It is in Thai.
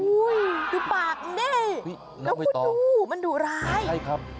ดูปากนี่แล้วคุณดูมันดุร้ายใช่ครับ